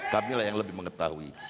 kamilah yang lebih mengetahui